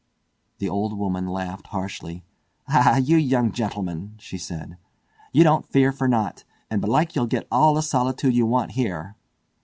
The old woman laughed harshly. "Ah, you young gentlemen," she said, "you don't fear for naught; and belike you'll get all the solitude you want here."